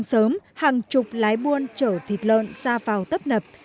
sớm hàng chục lái buôn chở thịt lợn ra vào tấp nập